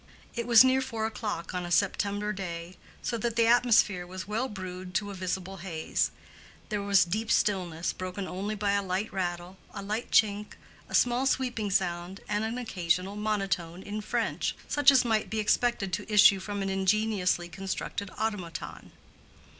It was near four o'clock on a September day, so that the atmosphere was well brewed to a visible haze. There was deep stillness, broken only by a light rattle, a light chink, a small sweeping sound, and an occasional monotone in French, such as might be expected to issue from an ingeniously constructed automaton.